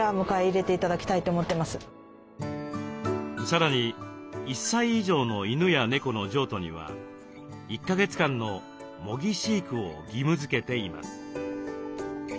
さらに１歳以上の犬や猫の譲渡には１か月間の「模擬飼育」を義務づけています。